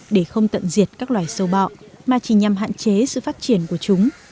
để không tận diệt các loài sâu bọ mà chỉ nhằm hạn chế sự phát triển của chúng